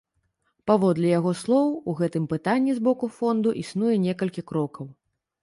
Паводле яго слоў, у гэтым пытанні з боку фонду існуе некалькі крокаў.